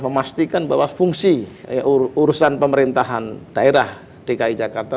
memastikan bahwa fungsi urusan pemerintahan daerah dki jakarta